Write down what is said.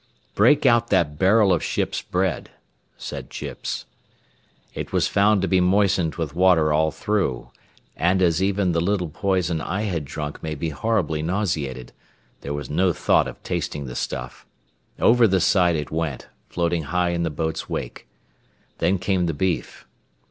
"Break out that barrel of ship's bread," said Chips. It was found to be moistened with water all through, and as even the little poison I had drunk made me horribly nauseated, there was no thought of tasting the stuff. Over the side it went, floating high in the boat's wake. Then came the beef.